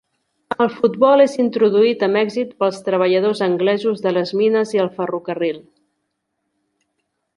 El futbol és introduït a Mèxic pels treballadors anglesos de les mines i el ferrocarril.